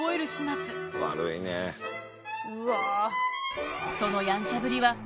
うわ。